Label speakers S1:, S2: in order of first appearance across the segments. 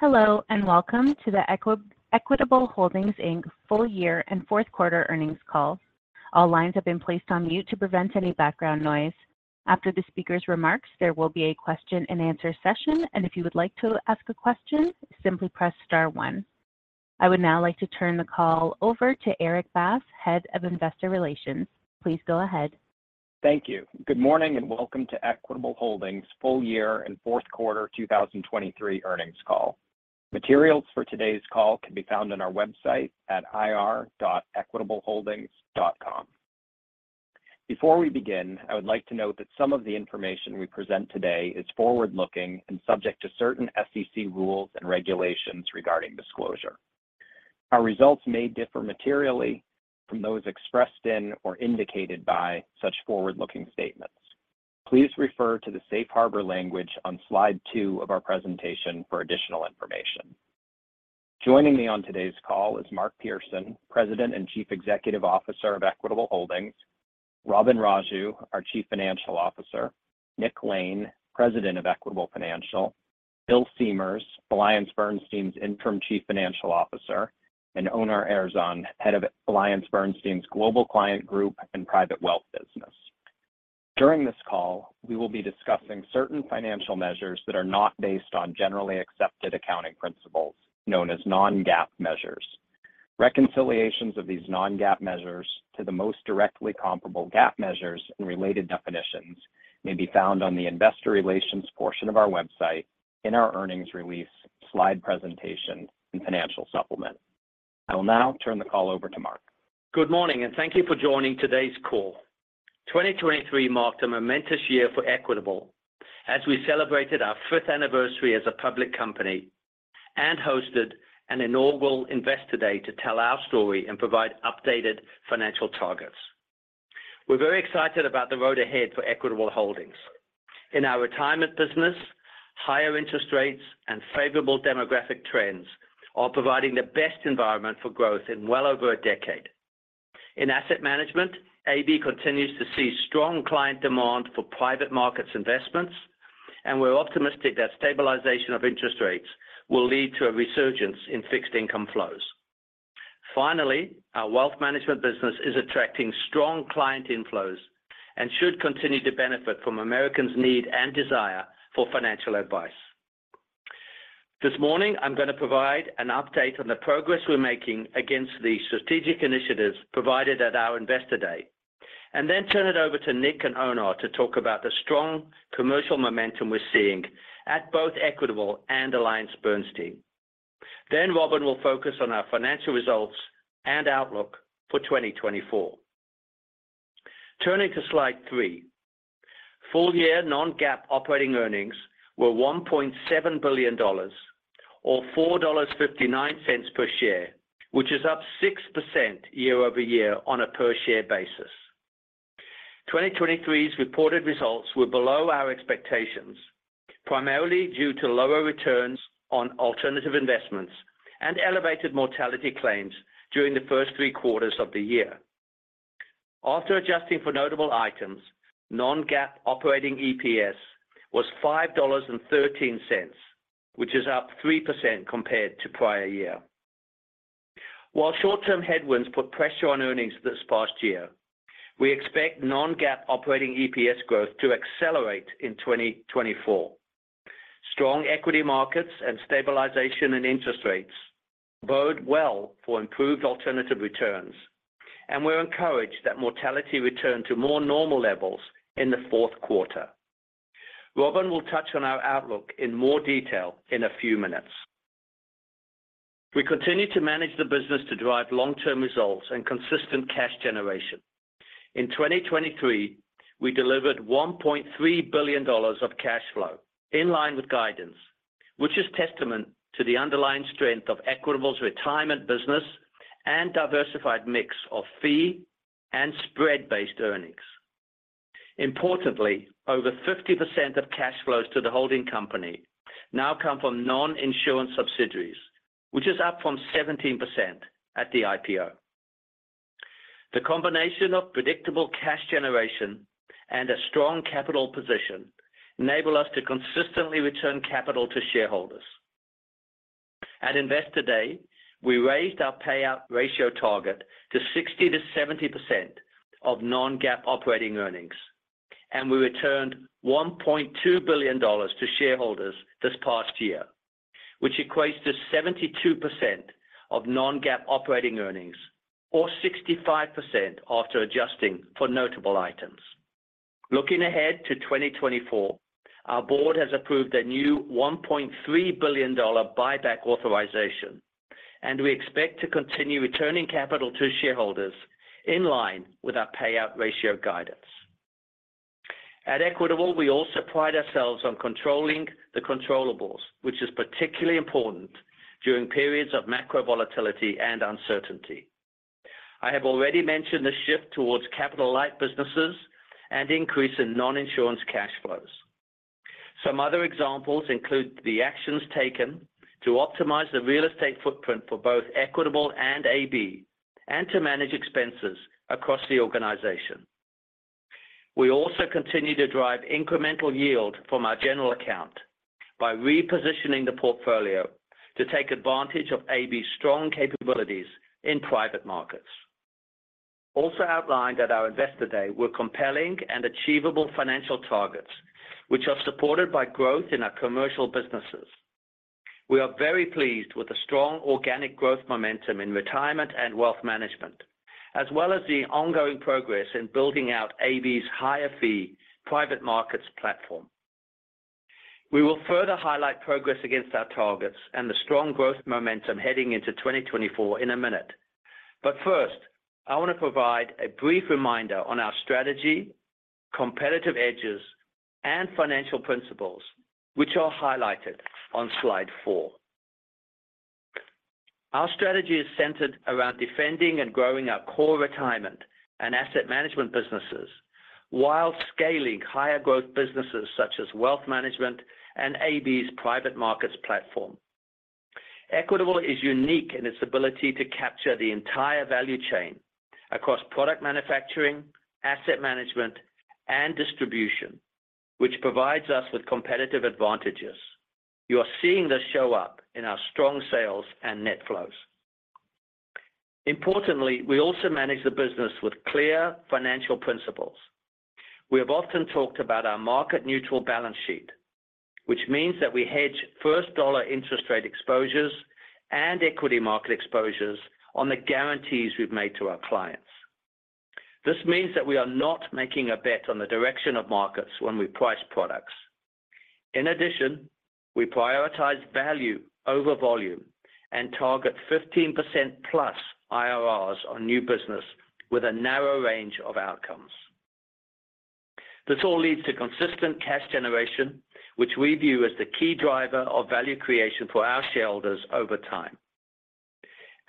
S1: Hello, and welcome to the Equitable Holdings, Inc. Full Year and Fourth Quarter Earnings Call. All lines have been placed on mute to prevent any background noise. After the speaker's remarks, there will be a question-and-answer session, and if you would like to ask a question, simply press star one. I would now like to turn the call over to Erik Bass, Head of Investor Relations. Please go ahead.
S2: Thank you. Good morning, and welcome to Equitable Holdings Full Year and Fourth Quarter 2023 earnings call. Materials for today's call can be found on our website at ir.equitableholdings.com. Before we begin, I would like to note that some of the information we present today is forward-looking and subject to certain SEC rules and regulations regarding disclosure. Our results may differ materially from those expressed in or indicated by such forward-looking statements. Please refer to the safe harbor language on slide 2 of our presentation for additional information. Joining me on today's call is Mark Pearson, President and Chief Executive Officer of Equitable Holdings, Robin Raju, our Chief Financial Officer, Nick Lane, President of Equitable Financial, Bill Siemers, AllianceBernstein's Interim Chief Financial Officer, and Onur Erzan, Head of AllianceBernstein's Global Client Group and Private Wealth business. During this call, we will be discussing certain financial measures that are not based on generally accepted accounting principles, known as non-GAAP measures. Reconciliations of these non-GAAP measures to the most directly comparable GAAP measures and related definitions may be found on the investor relations portion of our website in our earnings release, slide presentation, and financial supplement. I will now turn the call over to Mark.
S3: Good morning, and thank you for joining today's call. 2023 marked a momentous year for Equitable as we celebrated our fifth anniversary as a public company and hosted an inaugural Investor Day to tell our story and provide updated financial targets. We're very excited about the road ahead for Equitable Holdings. In our Retirement business, higher interest rates and favorable demographic trends are providing the best environment for growth in well over a decade. In asset management, AB continues to see strong client demand for private markets investments, and we're optimistic that stabilization of interest rates will lead to a resurgence in fixed income flows. Finally, Wealth Management business is attracting strong client inflows and should continue to benefit from Americans' need and desire for financial advice. This morning, I'm going to provide an update on the progress we're making against the strategic initiatives provided at our Investor Day, and then turn it over to Nick and Onur to talk about the strong commercial momentum we're seeing at both Equitable and AllianceBernstein. Then Robin will focus on our financial results and outlook for 2024. Turning to slide three. Full-year Non-GAAP operating earnings were $1.7 billion, or $4.59 per share, which is up 6% year-over-year on a per-share basis. 2023's reported results were below our expectations, primarily due to lower returns on alternative investments and elevated mortality claims during the first three quarters of the year. After adjusting for notable items, Non-GAAP operating EPS was $5.13, which is up 3% compared to prior year. While short-term headwinds put pressure on earnings this past year, we expect non-GAAP operating EPS growth to accelerate in 2024. Strong equity markets and stabilization in interest rates bode well for improved alternative returns, and we're encouraged that mortality returned to more normal levels in the fourth quarter. Robin will touch on our outlook in more detail in a few minutes. We continue to manage the business to drive long-term results and consistent cash generation. In 2023, we delivered $1.3 billion of cash flow in line with guidance, which is testament to the underlying strength of Equitable's Retirement business and diversified mix of fee and spread-based earnings. Importantly, over 50% of cash flows to the holding company now come from non-insurance subsidiaries, which is up from 17% at the IPO. The combination of predictable cash generation and a strong capital position enable us to consistently return capital to shareholders. At Investor Day, we raised our payout ratio target to 60%-70% of Non-GAAP Operating Earnings, and we returned $1.2 billion to shareholders this past year, which equates to 72% of Non-GAAP Operating Earnings or 65% after adjusting for notable items. Looking ahead to 2024, our board has approved a new $1.3 billion buyback authorization, and we expect to continue returning capital to shareholders in line with our payout ratio guidance. At Equitable, we also pride ourselves on controlling the controllables, which is particularly important during periods of macro volatility and uncertainty. I have already mentioned the shift towards capital-light businesses and increase in non-insurance cash flows. Some other examples include the actions taken to optimize the real estate footprint for both Equitable and AB, and to manage expenses across the organization. We also continue to drive incremental yield from our general account by repositioning the portfolio to take advantage of AB's strong capabilities in private markets. Also outlined at our Investor Day were compelling and achievable financial targets, which are supported by growth in our commercial businesses. We are very pleased with the strong organic growth momentum in Retirement and Wealth Management, as well as the ongoing progress in building out AB's higher fee private markets platform. We will further highlight progress against our targets and the strong growth momentum heading into 2024 in a minute. But first, I want to provide a brief reminder on our strategy, competitive edges, and financial principles, which are highlighted on slide four. Our strategy is centered around defending and growing our core Retirement and asset management businesses, while scaling higher growth businesses such as Wealth Management and AB's private markets platform. Equitable is unique in its ability to capture the entire value chain across product manufacturing, asset management, and distribution, which provides us with competitive advantages. You are seeing this show up in our strong sales and net flows. Importantly, we also manage the business with clear financial principles. We have often talked about our market neutral balance sheet, which means that we hedge first dollar interest rate exposures and equity market exposures on the guarantees we've made to our clients. This means that we are not making a bet on the direction of markets when we price products. In addition, we prioritize value over volume and target 15%+ IRRs on new business with a narrow range of outcomes. This all leads to consistent cash generation, which we view as the key driver of value creation for our shareholders over time.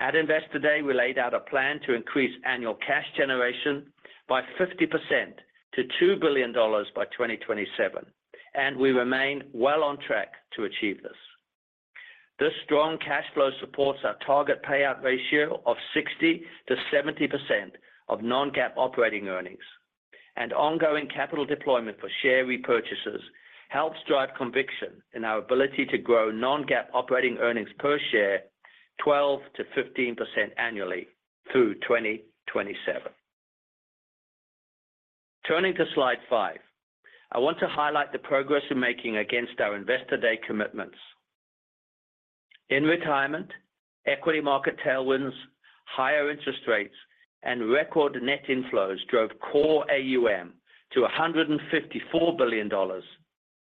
S3: At Investor Day, we laid out a plan to increase annual cash generation by 50% to $2 billion by 2027, and we remain well on track to achieve this. This strong cash flow supports our target payout ratio of 60%-70% of non-GAAP operating earnings, and ongoing capital deployment for share repurchases helps drive conviction in our ability to grow non-GAAP operating earnings per share 12%-15% annually through 2027. Turning to slide five, I want to highlight the progress we're making against our Investor Day commitments. In Retirement, equity market tailwinds, higher interest rates, and record net inflows drove core AUM to $154 billion,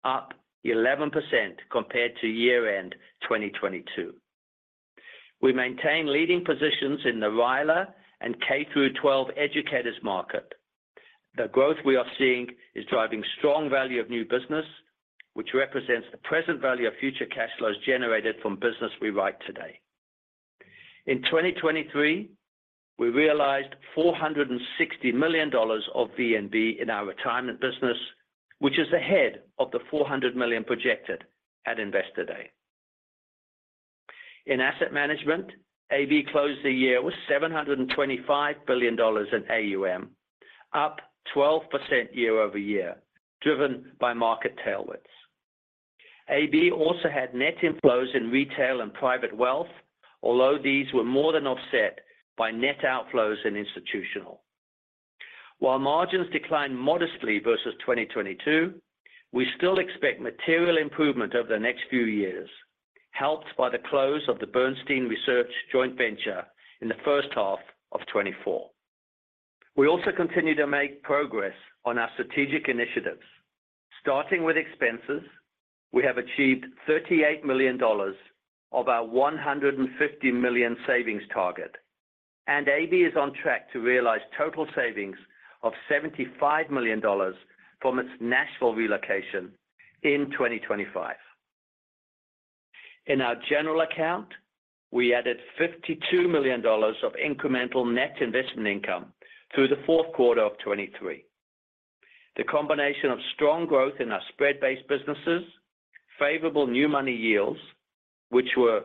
S3: up 11% compared to year-end 2022. We maintain leading positions in the RILA and K-12 educators market. The growth we are seeing is driving strong value of new business, which represents the present value of future cash flows generated from business we write today. In 2023, we realized $460 million of VNB in our Retirement business, which is ahead of the $400 million projected at Investor Day. In asset management, AB closed the year with $725 billion in AUM, up 12% year-over-year, driven by market tailwinds. AB also had net inflows in Retail and Private Wealth, although these were more than offset by net outflows in Institutional. While margins declined modestly versus 2022, we still expect material improvement over the next few years, helped by the close of the Bernstein Research joint venture in the first half of 2024. We also continue to make progress on our strategic initiatives. Starting with expenses, we have achieved $38 million of our $150 million savings target, and AB is on track to realize total savings of $75 million from its national relocation in 2025. In our general account, we added $52 million of incremental net investment income through the fourth quarter of 2023. The combination of strong growth in our spread-based businesses, favorable new money yields, which were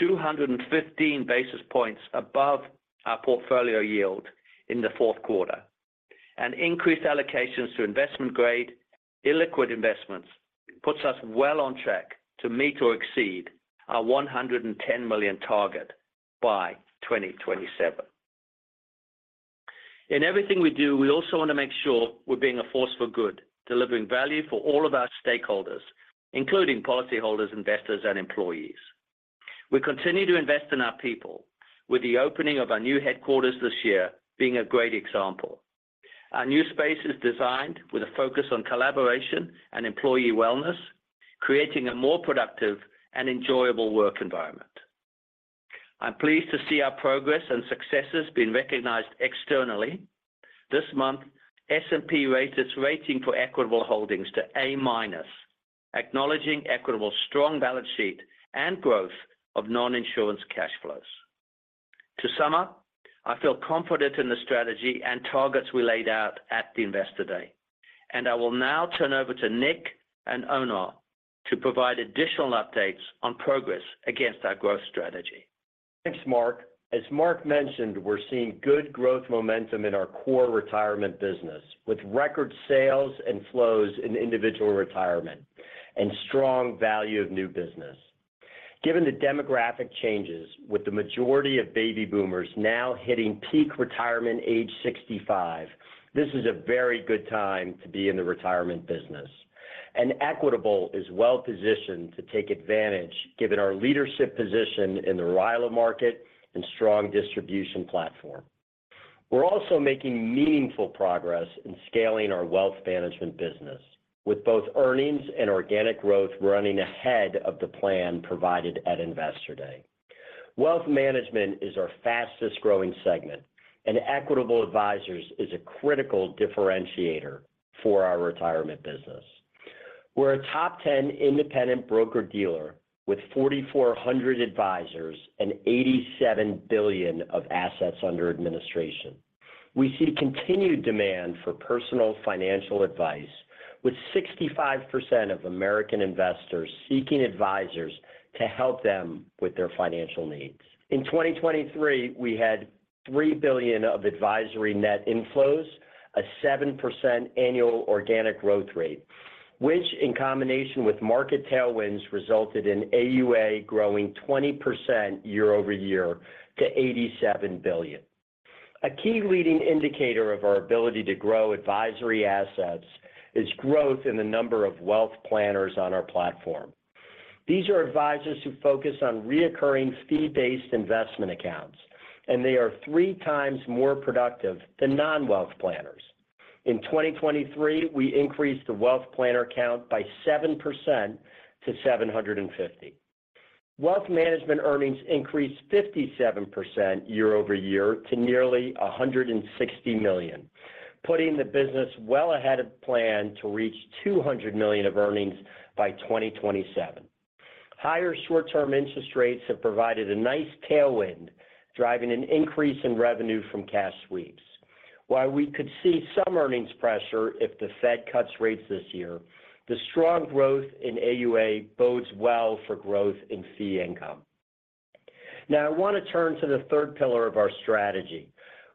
S3: 215 basis points above our portfolio yield in the fourth quarter, and increased allocations to investment-grade, illiquid investments, puts us well on track to meet or exceed our $110 million target by 2027. In everything we do, we also want to make sure we're being a force for good, delivering value for all of our stakeholders, including policyholders, investors, and employees. We continue to invest in our people, with the opening of our new headquarters this year being a great example. Our new space is designed with a focus on collaboration and employee wellness, creating a more productive and enjoyable work environment. I'm pleased to see our progress and successes being recognized externally. This month, S&P raised its rating for Equitable Holdings to A-, acknowledging Equitable's strong balance sheet and growth of non-insurance cash flows. To sum up, I feel confident in the strategy and targets we laid out at the Investor Day, and I will now turn over to Nick and Onur to provide additional updates on progress against our growth strategy.
S4: Thanks, Mark. As Mark mentioned, we're seeing good growth momentum in our core Retirement business, with record sales and flows in Individual Retirement and strong value of new business. Given the demographic changes, with the majority of baby boomers now hitting peak retirement age 65, this is a very good time to be in the Retirement business, and Equitable is well positioned to take advantage, given our leadership position in the RILA market and strong distribution platform. We're also making meaningful progress in scaling Wealth Management business, with both earnings and organic growth running ahead of the plan provided at Investor Day. Wealth Management is our fastest-growing segment, and Equitable Advisors is a critical differentiator for our Retirement business. We're a top 10 independent broker-dealer with 4,400 advisors and $87 billion of assets under administration. We see continued demand for personal financial advice, with 65% of American investors seeking advisors to help them with their financial needs. In 2023, we had $3 billion of advisory net inflows, a 7% annual organic growth rate, which, in combination with market tailwinds, resulted in AUA growing 20% year-over-year to $87 billion. A key leading indicator of our ability to grow advisory assets is growth in the number of wealth planners on our platform. These are advisors who focus on recurring fee-based investment accounts, and they are 3x more productive than non-wealth planners. In 2023, we increased the wealth planner count by 7% to 750. Wealth Management earnings increased 57% year-over-year to nearly $160 million, putting the business well ahead of plan to reach $200 million of earnings by 2027. Higher short-term interest rates have provided a nice tailwind, driving an increase in revenue from cash sweeps. While we could see some earnings pressure if the Fed cuts rates this year, the strong growth in AUA bodes well for growth in fee income. Now, I want to turn to the third pillar of our strategy,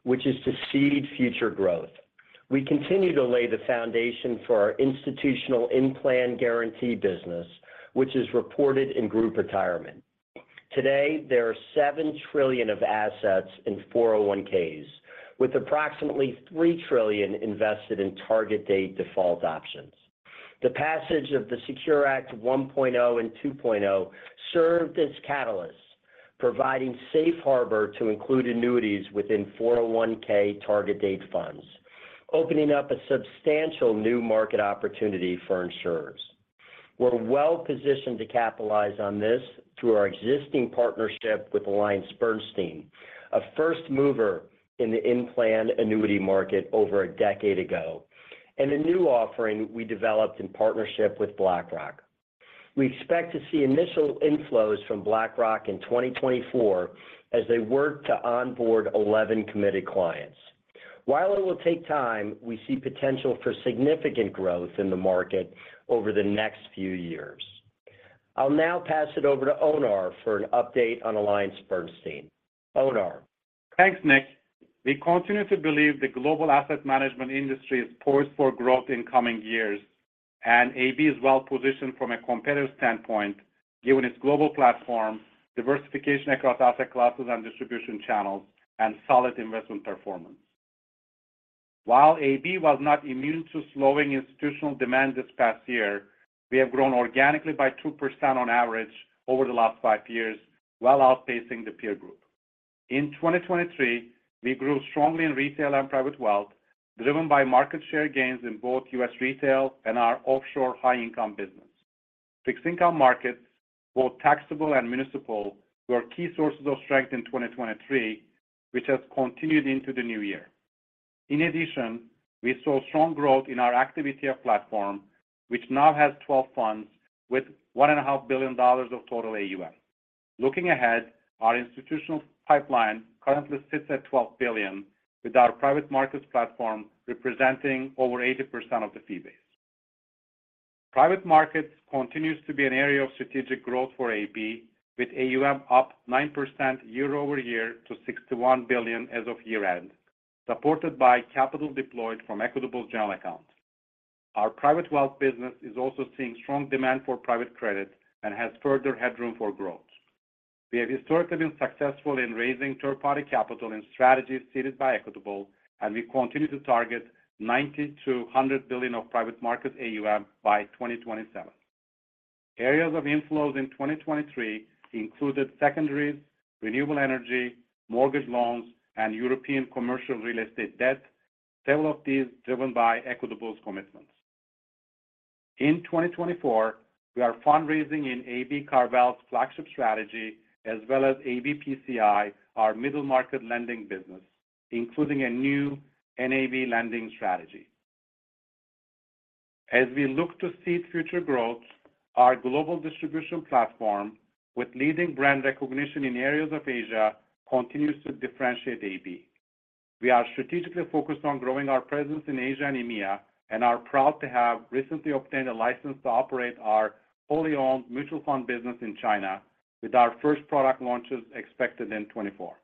S4: which is to seed future growth. We continue to lay the foundation for our Institutional in-plan guarantee business, which is reported in Group Retirement. Today, there are $7 trillion of assets in 401(k)s, with approximately $3 trillion invested in target date default options. The passage of the SECURE Act 1.0 and 2.0 served as catalysts, providing safe harbor to include annuities within 401(k) target date funds, opening up a substantial new market opportunity for insurers. We're well positioned to capitalize on this through our existing partnership with AllianceBernstein, a first mover in the in-plan annuity market over a decade ago, and a new offering we developed in partnership with BlackRock. We expect to see initial inflows from BlackRock in 2024 as they work to onboard 11 committed clients. While it will take time, we see potential for significant growth in the market over the next few years. I'll now pass it over to Onur for an update on AllianceBernstein. Onur?
S5: Thanks, Nick. We continue to believe the global asset management industry is poised for growth in coming years, and AB is well positioned from a competitive standpoint, given its global platform, diversification across asset classes and distribution channels, and solid investment performance. While AB was not immune to slowing Institutional demand this past year, we have grown organically by 2% on average over the last five years, while outpacing the peer group. In 2023, we grew strongly in Retail and Private Wealth, driven by market share gains in both U.S. Retail and our offshore high-income business. Fixed income markets, both taxable and municipal, were key sources of strength in 2023, which has continued into the new year. In addition, we saw strong growth in our Active ETF platform, which now has 12 funds with $1.5 billion of total AUM. Looking ahead, our Institutional pipeline currently sits at $12 billion, with our private markets platform representing over 80% of the fee base. Private markets continues to be an area of strategic growth for AB, with AUM up 9% year-over-year to $61 billion as of year-end, supported by capital deployed from Equitable's general account. Our Private Wealth business is also seeing strong demand for private credit and has further headroom for growth. We have historically been successful in raising third-party capital in strategies seeded by Equitable, and we continue to target $90 billion-$100 billion of private market AUM by 2027. Areas of inflows in 2023 included secondaries, renewable energy, mortgage loans, and European commercial real estate debt, several of these driven by Equitable's commitments. In 2024, we are fundraising in AB Global's flagship strategy as well as AB-PCI, our middle market lending business, including a new NAV lending strategy. As we look to seed future growth, our global distribution platform, with leading brand recognition in areas of Asia, continues to differentiate AB. We are strategically focused on growing our presence in Asia and EMEA, and are proud to have recently obtained a license to operate our fully owned mutual fund business in China, with our first product launches expected in 2024.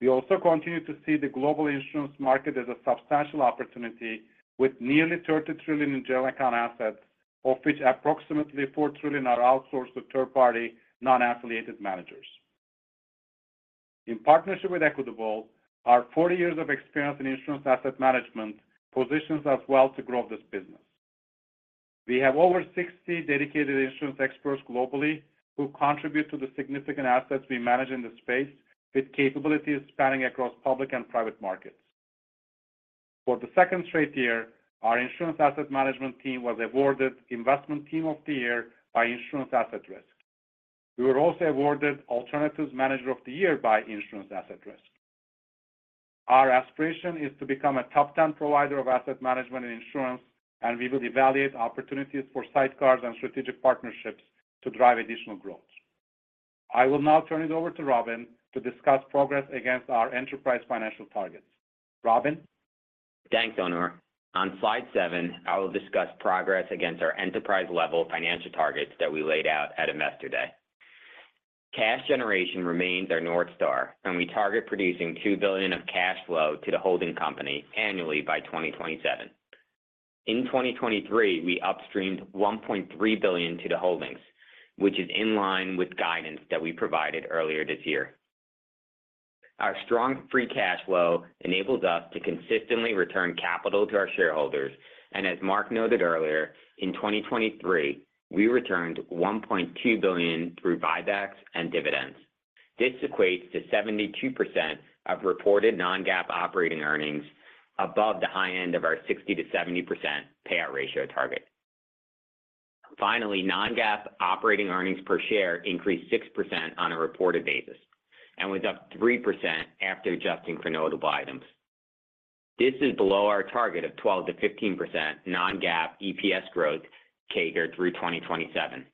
S5: We also continue to see the global insurance market as a substantial opportunity, with nearly $30 trillion in general account assets, of which approximately $4 trillion are outsourced to third-party, non-affiliated managers. In partnership with Equitable, our 40 years of experience in insurance asset management positions us well to grow this business. We have over 60 dedicated insurance experts globally, who contribute to the significant assets we manage in this space, with capabilities spanning across public and private markets. For the second straight year, our insurance asset management team was awarded Investment Team of the Year by Insurance Asset Risk. We were also awarded Alternatives Manager of the Year by Insurance Asset Risk. Our aspiration is to become a top 10 provider of asset management and insurance, and we will evaluate opportunities for sidecars and strategic partnerships to drive additional growth. I will now turn it over to Robin to discuss progress against our enterprise financial targets. Robin?
S6: Thanks, Onur. On slide seven, I will discuss progress against our enterprise-level financial targets that we laid out at Investor Day. Cash generation remains our North Star, and we target producing $2 billion of cash flow to the holding company annually by 2027. In 2023, we upstreamed $1.3 billion to the holdings, which is in line with guidance that we provided earlier this year. Our strong free cash flow enables us to consistently return capital to our shareholders, and as Mark noted earlier, in 2023, we returned $1.2 billion through buybacks and dividends. This equates to 72% of reported non-GAAP operating earnings above the high end of our 60%-70% payout ratio target. Finally, non-GAAP operating earnings per share increased 6% on a reported basis and was up 3% after adjusting for notable items. This is below our target of 12%-15% non-GAAP EPS growth CAGR through 2027,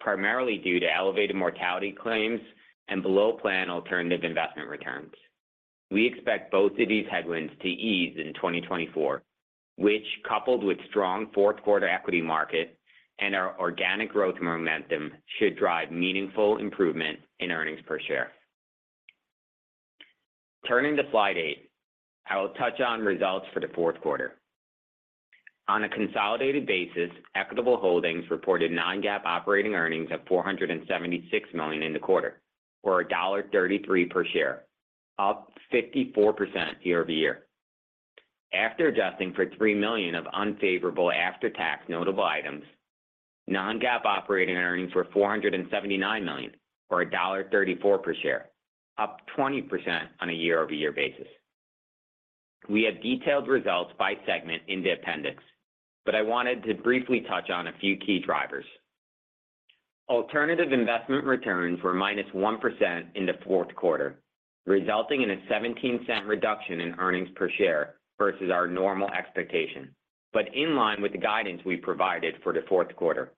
S6: primarily due to elevated mortality claims and below-plan alternative investment returns. We expect both of these headwinds to ease in 2024, which, coupled with strong fourth quarter equity market and our organic growth momentum, should drive meaningful improvement in earnings per share. Turning to slide eight, I will touch on results for the fourth quarter. On a consolidated basis, Equitable Holdings reported non-GAAP operating earnings of $476 million in the quarter, or $1.33 per share, up 54% year-over-year. After adjusting for $3 million of unfavorable after-tax notable items, non-GAAP operating earnings were $479 million, or $1.34 per share, up 20% on a year-over-year basis. We have detailed results by segment in the appendix, but I wanted to briefly touch on a few key drivers. Alternative investment returns were -1% in the fourth quarter, resulting in a $0.17 reduction in earnings per share versus our normal expectation, but in line with the guidance we provided for the fourth quarter.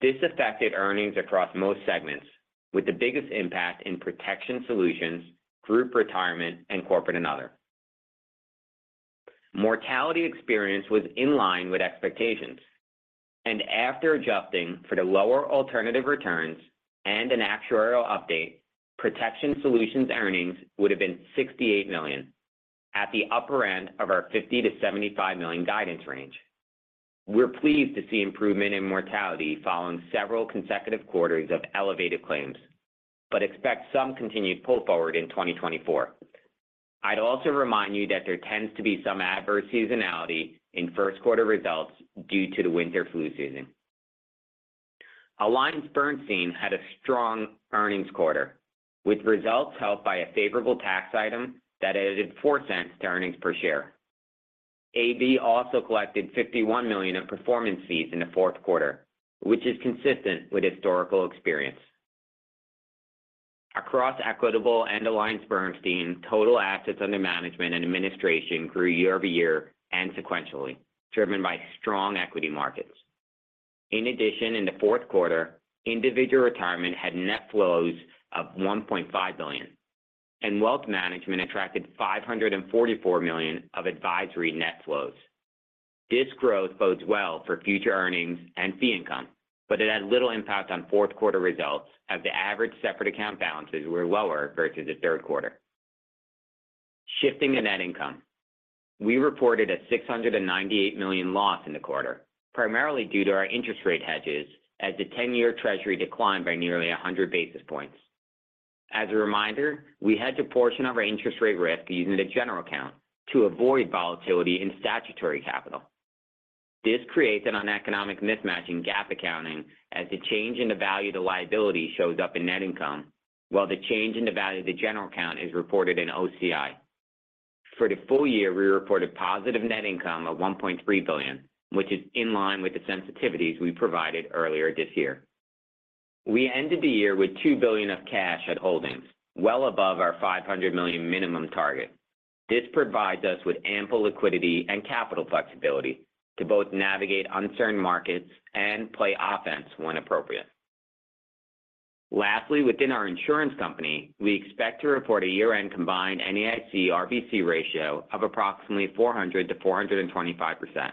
S6: This affected earnings across most segments, with the biggest impact in Protection Solutions, Group Retirement, and Corporate and Other. Mortality experience was in line with expectations, and after adjusting for the lower alternative returns and an actuarial update, Protection Solutions earnings would have been $68 million, at the upper end of our $50 million-$75 million guidance range. We're pleased to see improvement in mortality following several consecutive quarters of elevated claims, but expect some continued pull forward in 2024. I'd also remind you that there tends to be some adverse seasonality in first quarter results due to the winter flu season. AllianceBernstein had a strong earnings quarter, with results helped by a favorable tax item that added $0.04 to earnings per share. AB also collected $51 million in performance fees in the fourth quarter, which is consistent with historical experience. Across Equitable and AllianceBernstein, total assets under management and administration grew year-over-year and sequentially, driven by strong equity markets. In addition, in the fourth quarter, Individual Retirement had net flows of $1.5 billion, and Wealth Management attracted $544 million of advisory net flows. This growth bodes well for future earnings and fee income, but it had little impact on fourth quarter results, as the average separate account balances were lower versus the third quarter. Shifting to net income, we reported a $698 million loss in the quarter, primarily due to our interest rate hedges, as the 10-year Treasury declined by nearly 100 basis points. As a reminder, we hedge a portion of our interest rate risk using the general account to avoid volatility in statutory capital. This creates an economic mismatch in GAAP accounting, as the change in the value of the liability shows up in net income, while the change in the value of the general account is reported in OCI. For the full year, we reported positive net income of $1.3 billion, which is in line with the sensitivities we provided earlier this year. We ended the year with $2 billion of cash at holdings, well above our $500 million minimum target. This provides us with ample liquidity and capital flexibility to both navigate uncertain markets and play offense when appropriate. Lastly, within our insurance company, we expect to report a year-end combined NAIC RBC ratio of approximately 400%-425%,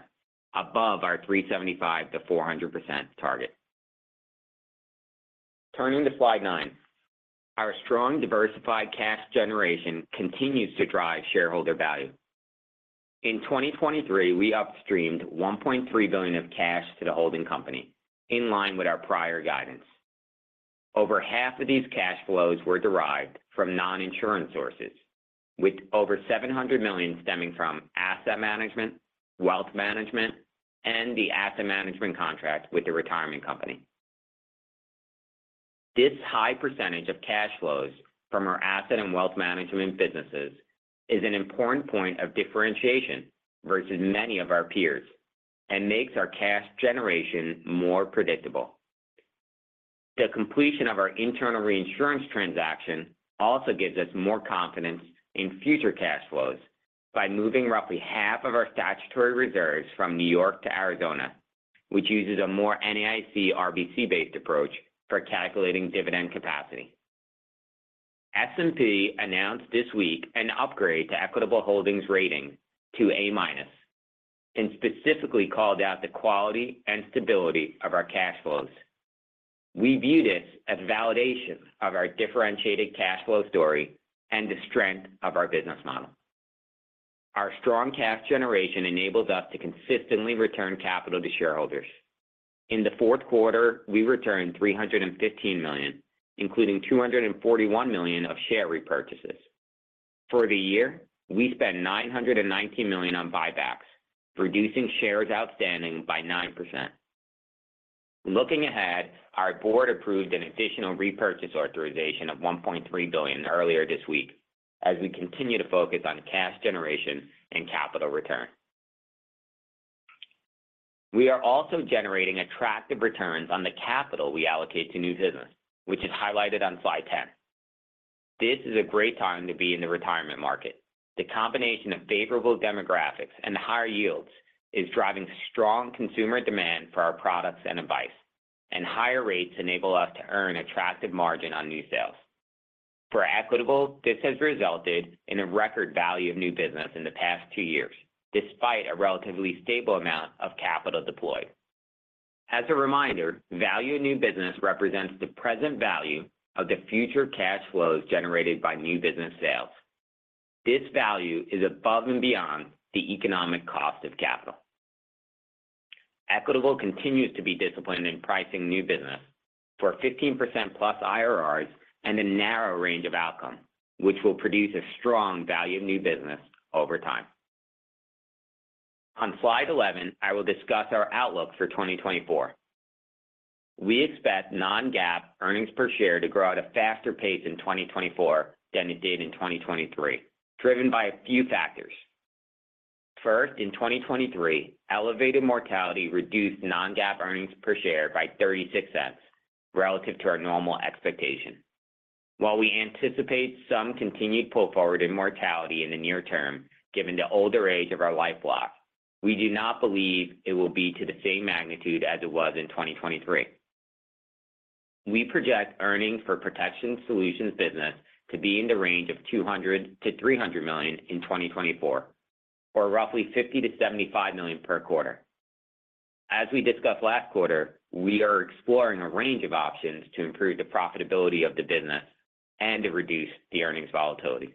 S6: above our 375%-400% target. Turning to slide nine, our strong diversified cash generation continues to drive shareholder value. In 2023, we upstreamed $1.3 billion of cash to the holding company, in line with our prior guidance. Over half of these cash flows were derived from non-insurance sources, with over $700 million stemming from asset management, Wealth Management, and the asset management contract with the Retirement company. This high percentage of cash flows from our asset Wealth Management businesses is an important point of differentiation versus many of our peers and makes our cash generation more predictable. The completion of our internal reinsurance transaction also gives us more confidence in future cash flows by moving roughly half of our statutory reserves from New York to Arizona, which uses a more NAIC RBC-based approach for calculating dividend capacity. S&P announced this week an upgrade to Equitable Holdings rating to A-minus, and specifically called out the quality and stability of our cash flows. We view this as validation of our differentiated cash flow story and the strength of our business model. Our strong cash generation enables us to consistently return capital to shareholders. In the fourth quarter, we returned $315 million, including $241 million of share repurchases. For the year, we spent $990 million on buybacks, reducing shares outstanding by 9%. Looking ahead, our board approved an additional repurchase authorization of $1.3 billion earlier this week as we continue to focus on cash generation and capital return. We are also generating attractive returns on the capital we allocate to new business, which is highlighted on slide 10. This is a great time to be in the retirement market. The combination of favorable demographics and higher yields is driving strong consumer demand for our products and advice, and higher rates enable us to earn attractive margin on new sales. For Equitable, this has resulted in a record value of new business in the past two years, despite a relatively stable amount of capital deployed. As a reminder, value of new business represents the present value of the future cash flows generated by new business sales. This value is above and beyond the economic cost of capital. Equitable continues to be disciplined in pricing new business for 15%+ IRRs and a narrow range of outcomes, which will produce a strong value of new business over time. On slide 11, I will discuss our outlook for 2024. We expect non-GAAP earnings per share to grow at a faster pace in 2024 than it did in 2023, driven by a few factors. First, in 2023, elevated mortality reduced non-GAAP earnings per share by $0.36 relative to our normal expectations. While we anticipate some continued pull forward in mortality in the near term, given the older age of our life block, we do not believe it will be to the same magnitude as it was in 2023. We project earnings for Protection Solutions business to be in the range of $200 million-$300 million in 2024, or roughly $50 million-$75 million per quarter. As we discussed last quarter, we are exploring a range of options to improve the profitability of the business and to reduce the earnings volatility.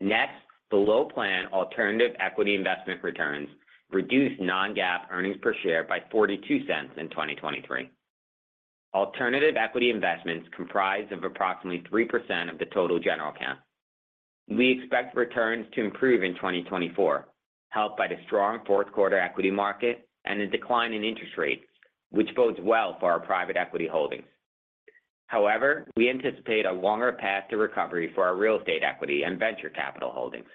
S6: Next, below plan alternative equity investment returns reduced non-GAAP earnings per share by $0.42 in 2023. Alternative equity investments comprise of approximately 3% of the total general account. We expect returns to improve in 2024, helped by the strong fourth quarter equity market and a decline in interest rates, which bodes well for our private equity holdings. However, we anticipate a longer path to recovery for our real estate equity and venture capital holdings.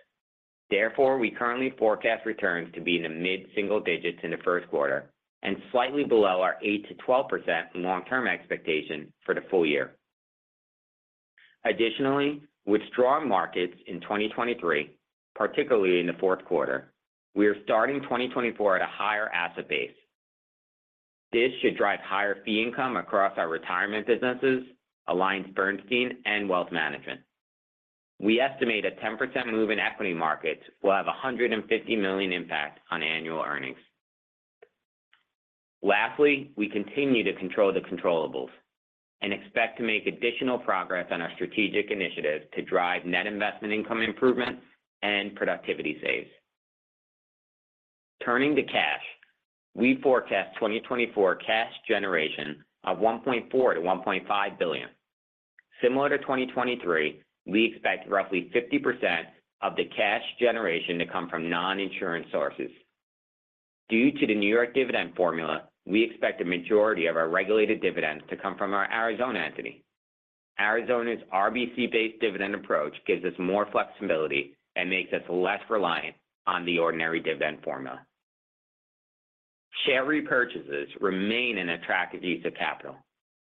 S6: Therefore, we currently forecast returns to be in the mid-single digits in the first quarter and slightly below our 8%-12% long-term expectation for the full year. Additionally, with strong markets in 2023, particularly in the fourth quarter, we are starting 2024 at a higher asset base. This should drive higher fee income across our Retirement businesses, AllianceBernstein and Wealth Management. We estimate a 10% move in equity markets will have $150 million impact on annual earnings. Lastly, we continue to control the controllables and expect to make additional progress on our strategic initiatives to drive net investment income improvement and productivity saves. Turning to cash, we forecast 2024 cash generation of $1.4 billion-$1.5 billion. Similar to 2023, we expect roughly 50% of the cash generation to come from non-insurance sources. Due to the New York dividend formula, we expect the majority of our regulated dividends to come from our Arizona entity. Arizona's RBC-based dividend approach gives us more flexibility and makes us less reliant on the ordinary dividend formula. Share repurchases remain an attractive use of capital,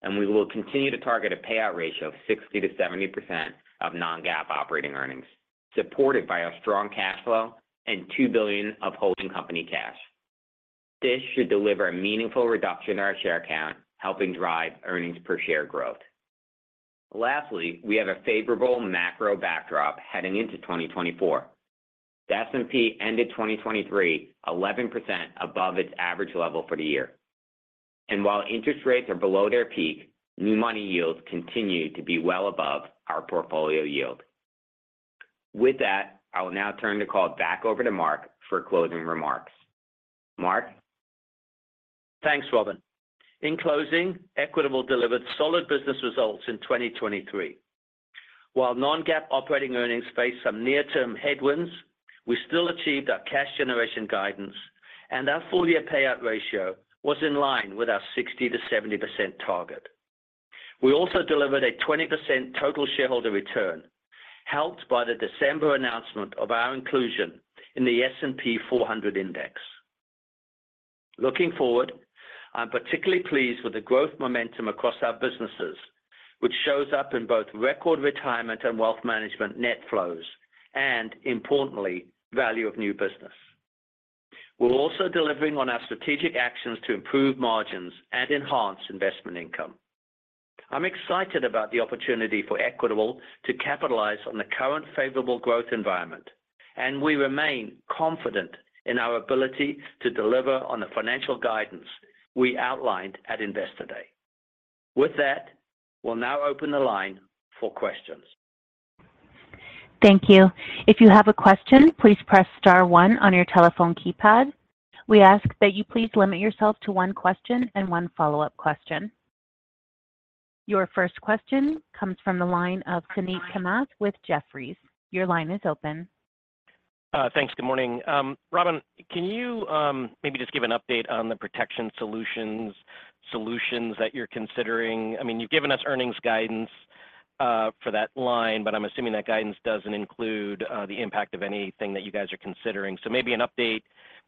S6: and we will continue to target a payout ratio of 60%-70% of Non-GAAP operating earnings, supported by our strong cash flow and $2 billion of holding company cash. This should deliver a meaningful reduction in our share count, helping drive earnings per share growth. Lastly, we have a favorable macro backdrop heading into 2024. The S&P ended 2023, 11% above its average level for the year. And while interest rates are below their peak, new money yields continue to be well above our portfolio yield. With that, I will now turn the call back over to Mark for closing remarks. Mark?
S3: Thanks, Robin. In closing, Equitable delivered solid business results in 2023. While non-GAAP operating earnings faced some near-term headwinds, we still achieved our cash generation guidance, and our full-year payout ratio was in line with our 60%-70% target. We also delivered a 20% total shareholder return, helped by the December announcement of our inclusion in the S&P 400 index. Looking forward, I'm particularly pleased with the growth momentum across our businesses, which shows up in both record Retirement and Wealth Management net flows, and importantly, value of new business. We're also delivering on our strategic actions to improve margins and enhance investment income. I'm excited about the opportunity for Equitable to capitalize on the current favorable growth environment, and we remain confident in our ability to deliver on the financial guidance we outlined at Investor Day. With that, we'll now open the line for questions.
S1: Thank you. If you have a question, please press star one on your telephone keypad. We ask that you please limit yourself to one question and one follow-up question. Your first question comes from the line of Suneet Kamath with Jefferies. Your line is open.
S7: Thanks. Good morning. Robin, can you maybe just give an update on the Protection Solutions, solutions that you're considering? I mean, you've given us earnings guidance for that line, but I'm assuming that guidance doesn't include the impact of anything that you guys are considering. Maybe an update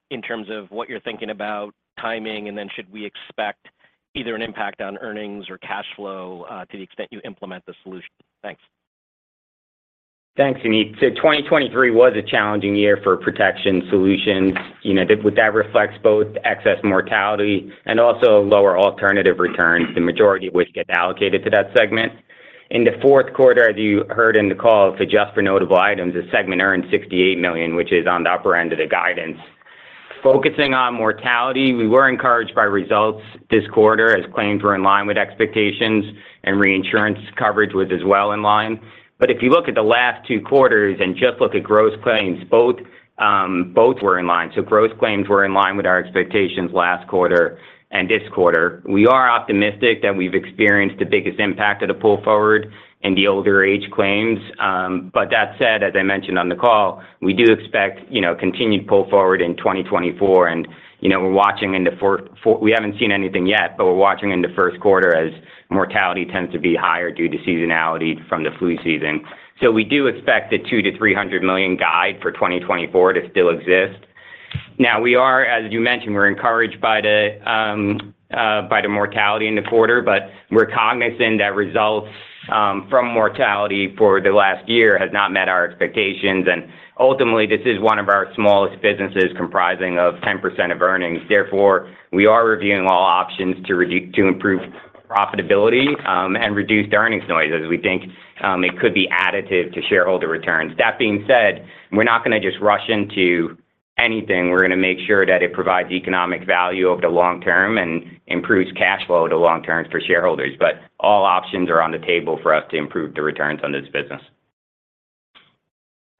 S7: in terms of what you're thinking about timing, and then should we expect either an impact on earnings or cash flow to the extent you implement the solution? Thanks.
S6: Thanks, Suneet. So 2023 was a challenging year for Protection Solutions. You know, with that reflects both excess mortality and also lower alternative returns, the majority of which get allocated to that segment. In the fourth quarter, as you heard in the call, if you adjust for notable items, the segment earned $68 million, which is on the upper end of the guidance. Focusing on mortality, we were encouraged by results this quarter, as claims were in line with expectations and reinsurance coverage was as well in line. But if you look at the last two quarters and just look at gross claims, both, both were in line. So gross claims were in line with our expectations last quarter and this quarter. We are optimistic that we've experienced the biggest impact of the pull forward in the older age claims. But that said, as I mentioned on the call, we do expect, you know, continued pull forward in 2024, and, you know, we're watching in the fourth quarter. We haven't seen anything yet, but we're watching in the first quarter as mortality tends to be higher due to seasonality from the flu season. So we do expect the $200 million-$300 million guide for 2024 to still exist. Now, we are, as you mentioned, we're encouraged by the mortality in the quarter, but we're cognizant that results from mortality for the last year has not met our expectations. And ultimately, this is one of our smallest businesses, comprising of 10% of earnings. Therefore, we are reviewing all options to improve profitability and reduce the earnings noise, as we think it could be additive to shareholder returns. That being said, we're not going to just rush into anything. We're going to make sure that it provides economic value over the long term and improves cash flow to long term for shareholders. But all options are on the table for us to improve the returns on this business.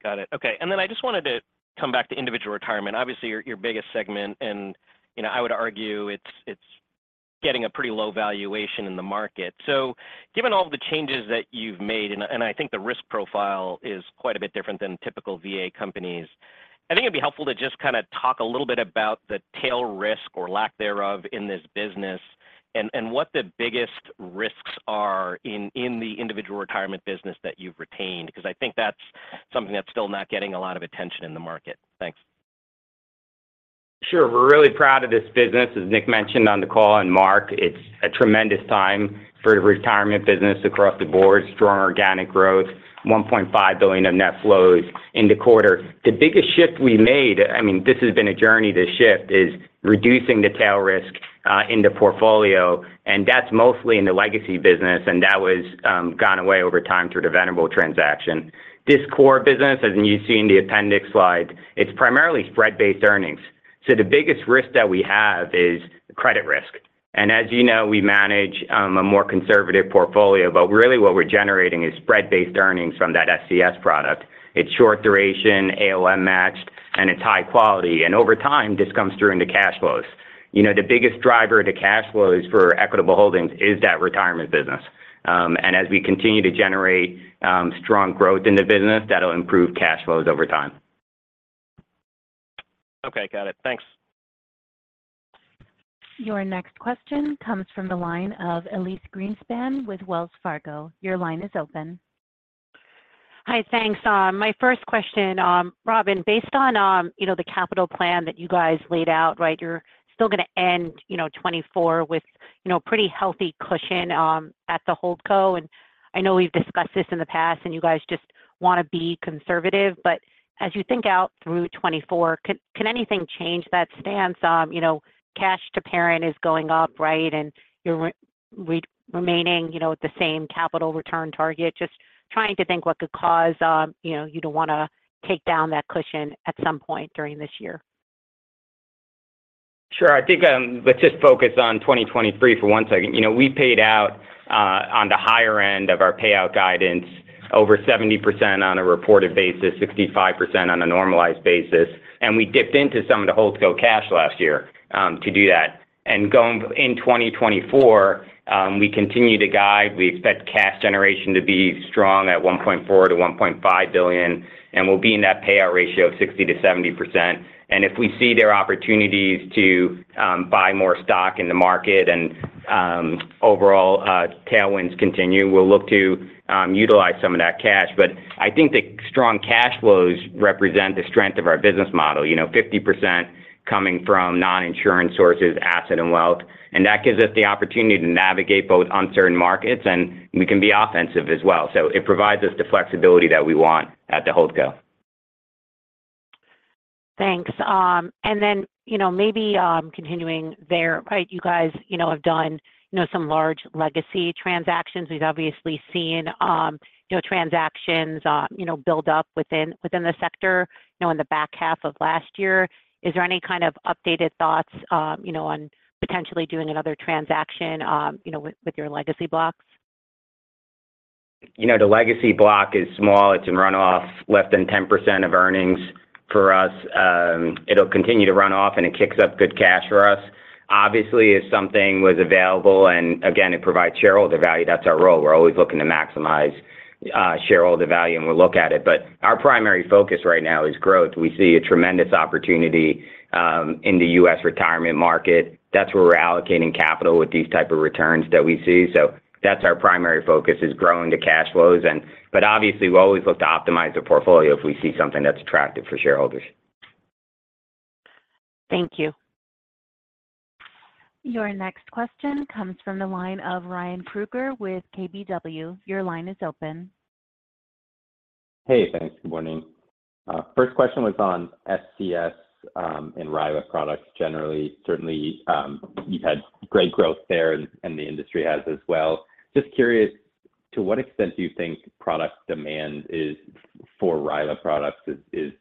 S7: Got it. Okay, and then I just wanted to come back to Individual Retirement. Obviously, your biggest segment, and, you know, I would argue it's getting a pretty low valuation in the market. So given all the changes that you've made, and I think the risk profile is quite a bit different than typical VA companies, I think it'd be helpful to just kind of talk a little bit about the tail risk or lack thereof in this business, and what the biggest risks are in the Individual Retirement business that you've retained, because I think that's something that's still not getting a lot of attention in the market. Thanks.
S6: Sure. We're really proud of this business. As Nick mentioned on the call, and Mark, it's a tremendous time for the Retirement business across the board. Strong organic growth, $1.5 billion of net flows in the quarter. The biggest shift we made, I mean, this has been a journey to shift, is reducing the tail risk in the portfolio, and that's mostly in the legacy business, and that was gone away over time through the Venerable transaction. This core business, as you see in the appendix slide, it's primarily spread-based earnings. So the biggest risk that we have is credit risk. And as you know, we manage a more conservative portfolio, but really what we're generating is spread-based earnings from that SCS product. It's short duration, ALM matched, and it's high quality, and over time, this comes through in the cash flows. You know, the biggest driver to cash flows for Equitable Holdings is that Retirement business. As we continue to generate strong growth in the business, that'll improve cash flows over time.
S7: Okay, got it. Thanks.
S1: Your next question comes from the line of Elyse Greenspan with Wells Fargo. Your line is open....
S8: Hi, thanks. My first question, Robin, based on, you know, the capital plan that you guys laid out, right? You're still going to end, you know, 2024 with, you know, pretty healthy cushion, at the Holdco. And I know we've discussed this in the past, and you guys just want to be conservative, but as you think out through 2024, can anything change that stance? You know, cash to parent is going up, right, and you're remaining, you know, at the same capital return target. Just trying to think what could cause, you know, you to want to take down that cushion at some point during this year.
S6: Sure. I think, let's just focus on 2023 for one second. You know, we paid out, on the higher end of our payout guidance, over 70% on a reported basis, 65% on a normalized basis, and we dipped into some of the Holdco cash last year, to do that. And going in 2024, we continue to guide. We expect cash generation to be strong at $1.4 billion-$1.5 billion, and we'll be in that payout ratio of 60%-70%. And if we see there are opportunities to, buy more stock in the market and, overall, tailwinds continue, we'll look to, utilize some of that cash. But I think the strong cash flows represent the strength of our business model. You know, 50% coming from non-insurance sources, asset and wealth, and that gives us the opportunity to navigate both uncertain markets, and we can be offensive as well. So it provides us the flexibility that we want at the Holdco.
S8: Thanks. And then, you know, maybe continuing there, right, you guys, you know, have done, you know, some large legacy transactions. We've obviously seen, you know, transactions, you know, build up within the sector, you know, in the back half of last year. Is there any kind of updated thoughts, you know, on potentially doing another transaction, you know, with your legacy blocks?
S6: You know, the legacy block is small. It's in run off, less than 10% of earnings for us. It'll continue to run off, and it kicks up good cash for us. Obviously, if something was available, and again, it provides shareholder value, that's our role. We're always looking to maximize, shareholder value, and we'll look at it. But our primary focus right now is growth. We see a tremendous opportunity, in the U.S. Retirement market. That's where we're allocating capital with these type of returns that we see. So that's our primary focus, is growing the cash flows. And but obviously, we always look to optimize the portfolio if we see something that's attractive for shareholders.
S8: Thank you.
S1: Your next question comes from the line of Ryan Krueger with KBW. Your line is open.
S9: Hey, thanks. Good morning. First question was on SCS, and RILA products generally. Certainly, you've had great growth there, and the industry has as well. Just curious, to what extent do you think product demand is for RILA products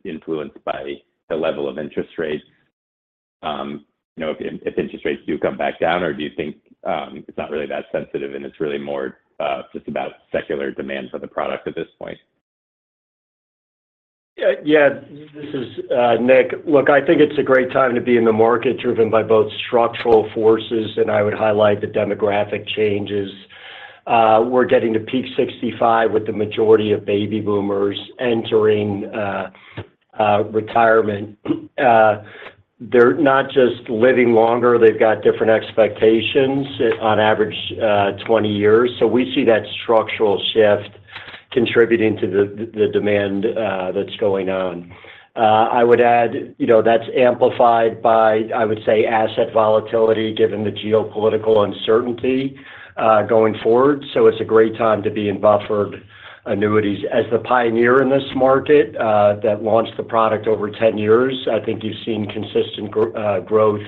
S9: influenced by the level of interest rates? You know, if interest rates do come back down, or do you think it's not really that sensitive, and it's really more just about secular demand for the product at this point?
S4: Yeah, this is Nick. Look, I think it's a great time to be in the market, driven by both structural forces, and I would highlight the demographic changes. We're getting to peak 65 with the majority of Baby Boomers entering Retirement. They're not just living longer, they've got different expectations, on average, 20 years. So we see that structural shift contributing to the demand that's going on. I would add, you know, that's amplified by, I would say, asset volatility, given the geopolitical uncertainty going forward. So it's a great time to be in buffered annuities. As the pioneer in this market that launched the product over 10 years, I think you've seen consistent growth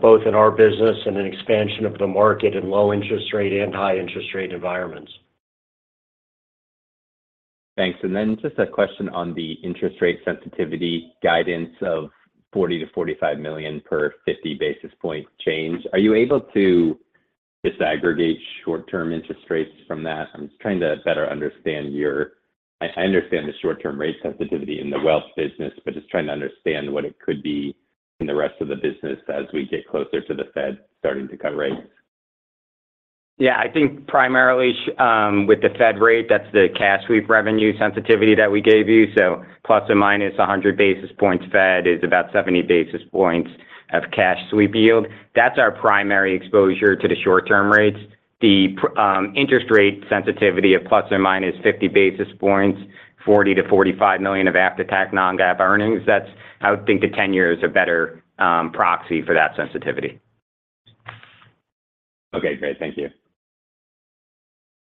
S4: both in our business and an expansion of the market in low interest rate and high interest rate environments.
S9: Thanks. And then just a question on the interest rate sensitivity guidance of $40 million-$45 million per 50 basis point change. Are you able to disaggregate short-term interest rates from that? I'm just trying to better understand your-- I understand the short-term rate sensitivity in the wealth business, but just trying to understand what it could be in the rest of the business as we get closer to the Fed starting to cut rates.
S6: Yeah, I think primarily, with the Fed rate, that's the cash sweep revenue sensitivity that we gave you. So ±100 basis points Fed is about 70 basis points of cash sweep yield. That's our primary exposure to the short-term rates. The interest rate sensitivity of ±50 basis points, $40 million-$45 million of after-tax non-GAAP earnings. That's, I would think, the 10-year is a better proxy for that sensitivity.
S9: Okay, great. Thank you.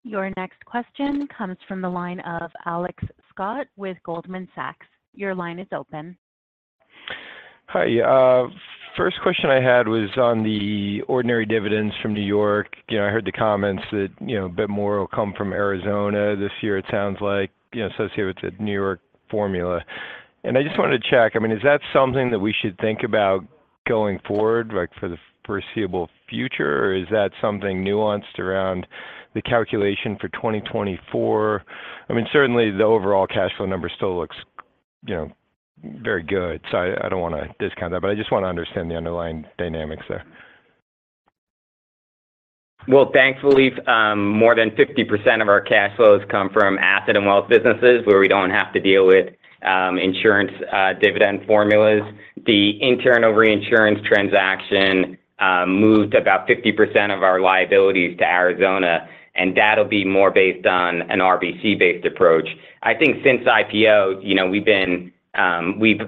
S1: Your next question comes from the line of Alex Scott with Goldman Sachs. Your line is open.
S10: Hi. First question I had was on the ordinary dividends from New York. You know, I heard the comments that, you know, a bit more will come from Arizona this year, it sounds like, you know, associated with the New York formula. And I just wanted to check, I mean, is that something that we should think about going forward, like, for the foreseeable future, or is that something nuanced around the calculation for 2024? I mean, certainly the overall cash flow number still looks, you know, very good, so I, I don't want to discount that, but I just want to understand the underlying dynamics there.
S6: Well, thankfully, more than 50% of our cash flows come from asset and wealth businesses, where we don't have to deal with insurance dividend formulas. The internal reinsurance transaction moved about 50% of our liabilities to Arizona, and that'll be more based on an RBC-based approach. I think since IPO, you know, we've been,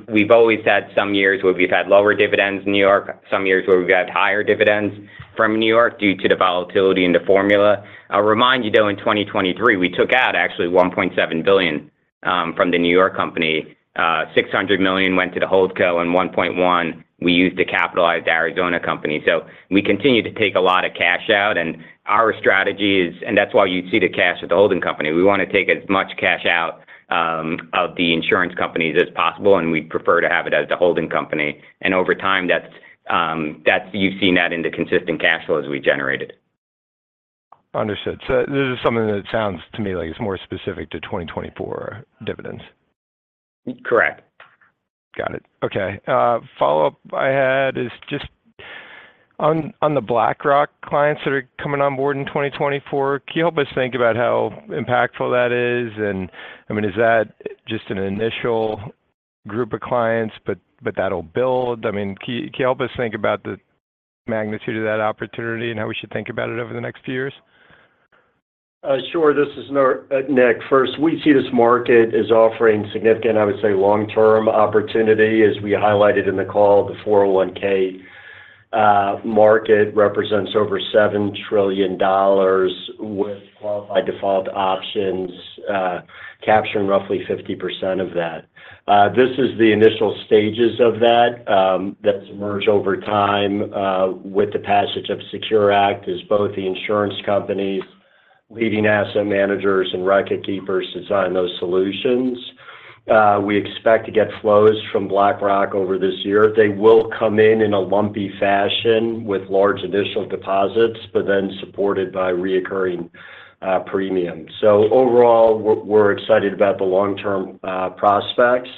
S6: we've always had some years where we've had lower dividends in New York, some years where we've had higher dividends from New York due to the volatility in the formula. I'll remind you, though, in 2023, we took out actually $1.7 billion from the New York company. Six hundred million went to the holdco, and $1.1 billion we used to capitalize the Arizona company. We continue to take a lot of cash out, and our strategy is, and that's why you'd see the cash at the holding company. We want to take as much cash out of the insurance companies as possible, and we'd prefer to have it at the holding company. Over time, that's what you've seen in the consistent cash flows we generated.
S10: Understood. So this is something that sounds to me like it's more specific to 2024 dividends?
S6: Correct.
S10: Got it. Okay, follow-up I had is just on, on the BlackRock clients that are coming on board in 2024, can you help us think about how impactful that is? And I mean, is that just an initial group of clients, but, but that'll build? I mean, can you, can you help us think about the magnitude of that opportunity and how we should think about it over the next few years?
S4: Sure. This is Nick. First, we see this market as offering significant, I would say, long-term opportunity. As we highlighted in the call, the 401(k) market represents over $7 trillion, with qualified default options capturing roughly 50% of that. This is the initial stages of that, that'll merge over time, with the passage of Secure Act, as both the insurance companies, leading asset managers, and recordkeepers design those solutions. We expect to get flows from BlackRock over this year. They will come in in a lumpy fashion with large initial deposits, but then supported by recurring premiums. So overall, we're excited about the long-term prospects,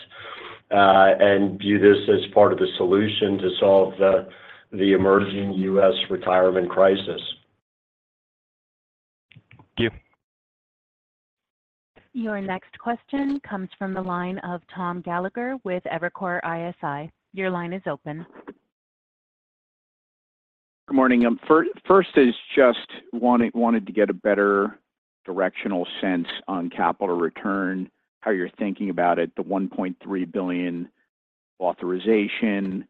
S4: and view this as part of the solution to solve the emerging U.S. retirement crisis.
S10: Thank you.
S1: Your next question comes from the line of Tom Gallagher with Evercore ISI. Your line is open.
S11: Good morning. First, just wanted to get a better directional sense on capital return, how you're thinking about it, the $1.3 billion authorization.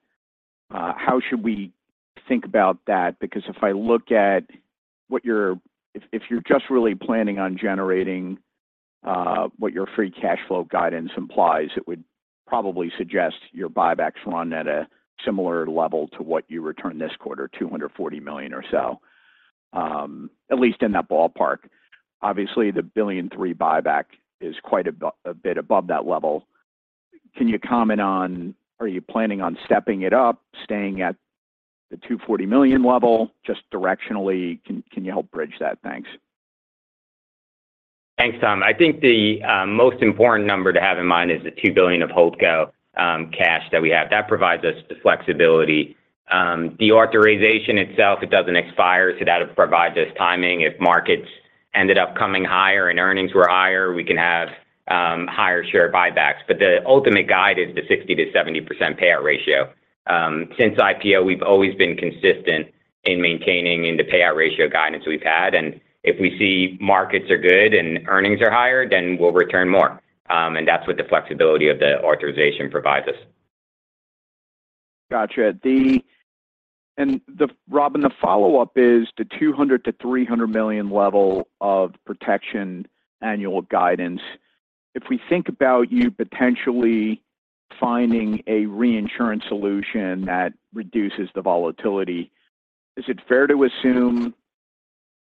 S11: How should we think about that? Because if I look at what you're if you're just really planning on generating what your free cash flow guidance implies, it would probably suggest your buybacks run at a similar level to what you returned this quarter, $240 million or so, at least in that ballpark. Obviously, the $3 billion buyback is quite a bit above that level. Can you comment on, are you planning on stepping it up, staying at the $240 million level? Just directionally, can you help bridge that? Thanks.
S6: Thanks, Tom. I think the most important number to have in mind is the $2 billion of holdco cash that we have. That provides us the flexibility. The authorization itself, it doesn't expire, so that provides us timing. If markets ended up coming higher and earnings were higher, we can have higher share buybacks. But the ultimate guide is the 60%-70% payout ratio. Since IPO, we've always been consistent in maintaining in the payout ratio guidance we've had, and if we see markets are good and earnings are higher, then we'll return more. And that's what the flexibility of the authorization provides us.
S11: Gotcha. And Robin, the follow-up is the $200 million-$300 million level of protection annual guidance. If we think about you potentially finding a reinsurance solution that reduces the volatility, is it fair to assume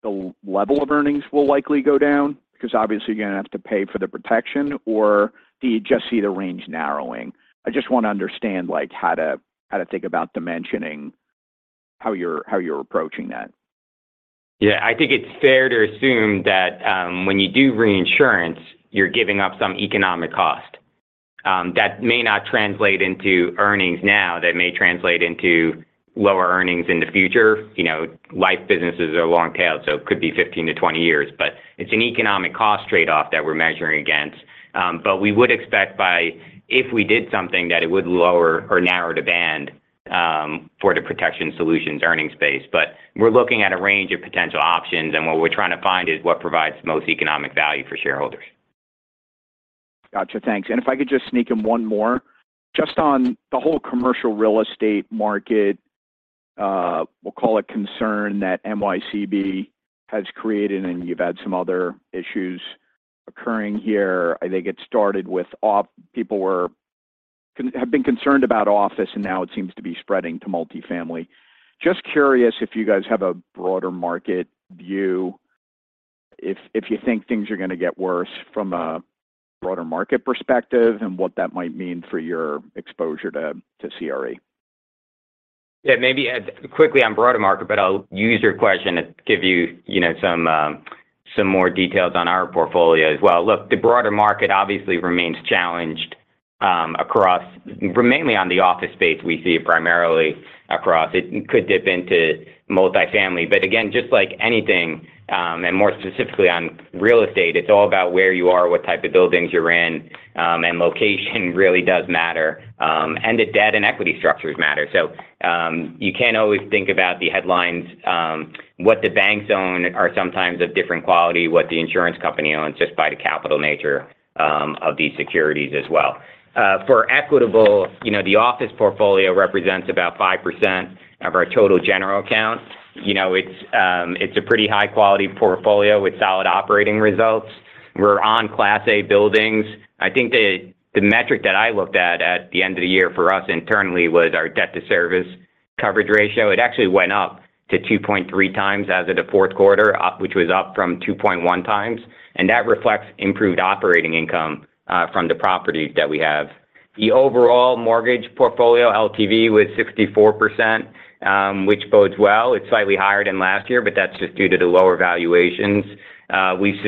S11: the level of earnings will likely go down? Because obviously you're going to have to pay for the protection, or do you just see the range narrowing? I just want to understand, like, how to think about dimensioning, how you're approaching that.
S6: Yeah. I think it's fair to assume that, when you do reinsurance, you're giving up some economic cost. That may not translate into earnings now, that may translate into lower earnings in the future. You know, life businesses are long tail, so it could be 15-20 years, but it's an economic cost trade-off that we're measuring against. But we would expect by if we did something, that it would lower or narrow the band, for the Protection Solutions earnings base. But we're looking at a range of potential options, and what we're trying to find is what provides the most economic value for shareholders.
S11: Gotcha. Thanks. And if I could just sneak in one more. Just on the whole commercial real estate market, we'll call it concern that NYCB has created, and you've had some other issues occurring here. I think it started with office, and people have been concerned about office, and now it seems to be spreading to multifamily. Just curious if you guys have a broader market view, if you think things are going to get worse from a broader market perspective and what that might mean for your exposure to CRE.
S6: Yeah, maybe, quickly on broader market, but I'll use your question to give you, you know, some more details on our portfolio as well. Look, the broader market obviously remains challenged, across, mainly on the office space we see primarily across. It could dip into multifamily, but again, just like anything, and more specifically on real estate, it's all about where you are, what type of buildings you're in, and location really does matter, and the debt and equity structures matter. So, you can't always think about the headlines. What the banks own are sometimes of different quality, what the insurance company owns, just by the capital nature, of these securities as well. For Equitable, you know, the office portfolio represents about 5% of our total general account. You know, it's a pretty high-quality portfolio with solid operating results. We're on Class A buildings. I think the metric that I looked at at the end of the year for us internally was our debt service coverage ratio. It actually went up to 2.3 times as of the fourth quarter, up—which was up from 2.1 times, and that reflects improved operating income from the property that we have. The overall mortgage portfolio LTV was 64%, which bodes well. It's slightly higher than last year, but that's just due to the lower valuations. We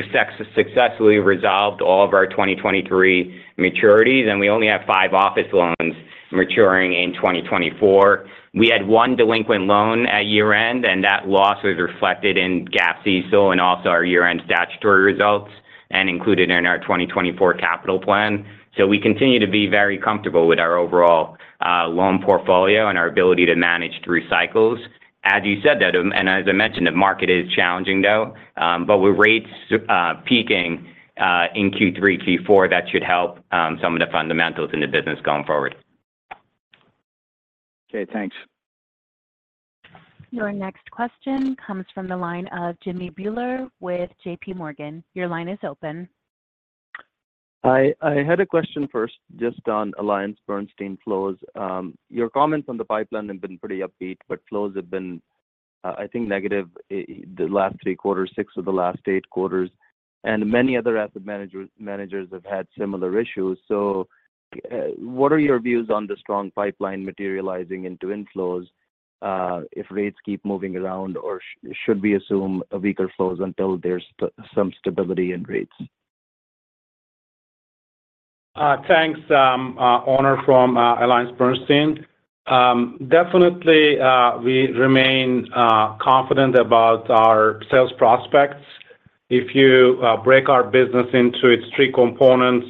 S6: successfully resolved all of our 2023 maturities, and we only have five office loans maturing in 2024. We had one delinquent loan at year-end, and that loss was reflected in GAAP CECL and also our year-end statutory results and included in our 2024 capital plan. So we continue to be very comfortable with our overall loan portfolio and our ability to manage through cycles. As you said, that, and as I mentioned, the market is challenging, though, but with rates peaking in Q3, Q4, that should help some of the fundamentals in the business going forward.
S11: Okay, thanks.
S1: Your next question comes from the line of Jimmy Bhullar with J.P. Morgan. Your line is open.
S12: Hi, I had a question first just on AllianceBernstein flows. Your comments on the pipeline have been pretty upbeat, but flows have been, I think, negative in the last three quarters, six of the last eight quarters, and many other asset managers have had similar issues. So, what are your views on the strong pipeline materializing into inflows, if rates keep moving around, or should we assume weaker flows until there's some stability in rates?
S5: Thanks, Onur from AllianceBernstein. Definitely, we remain confident about our sales prospects. If you break our business into its three components,